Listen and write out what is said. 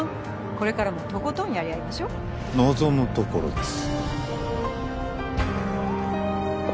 これからもとことんやり合いましょ望むところです